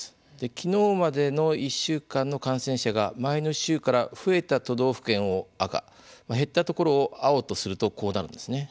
昨日までの１週間の感染者が前の週から増えた都道府県を赤減ったところを青とするとこうなるんですね。